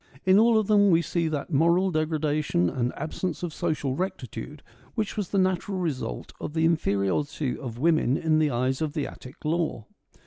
In all of them we see that moral degradation and absence of social rectitude which was the natural result of the in feriority of women in the eyes of the Attic law.